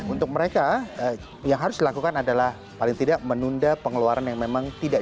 untuk mereka yang harus dilakukan adalah paling tidak menunda pengeluaran yang memang tidak